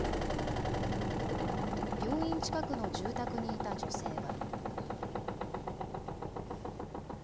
病院近くの住宅にいた女性は。